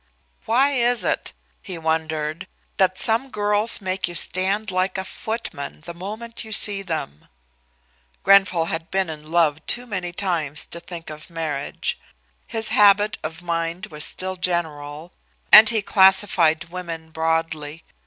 "Why is it," he wondered, "that some girls make you stand like a footman the moment you see them?" Grenfall had been in love too many times to think of marriage; his habit of mind was still general, and he classified women broadly.